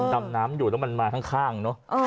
ดำน้ำอยู่แล้วมันมาข้างเนอะ